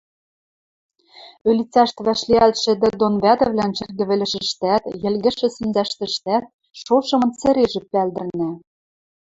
Ӧлицӓштӹ вӓшлиӓлтшӹ ӹдӹр дон вӓтӹвлӓн шӹргӹвӹлӹшӹштӓт, йӹлгӹжшӹ сӹнзӓштӹштӓт шошымын цӹрежӹ пӓлдӹрнӓ.